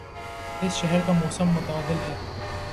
اس شہر کا موسم معتدل ہے